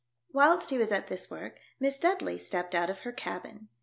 Whilst he was at this work. Miss Dudley stepped out of her cabin.